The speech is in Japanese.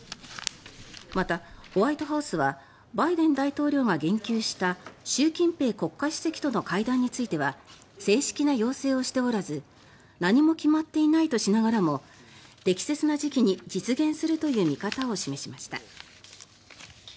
また、ホワイトハウスはバイデン大統領が言及した習近平国家主席との会談については正式な要請をしておらず何も決まっていないとしながらも適切な時期に実現するという見方を示しました。